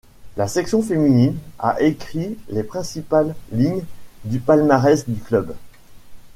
La section féminine a écrit les principales lignes du palmarès du club.